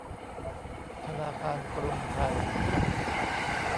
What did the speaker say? ธนาคารกรุงไทย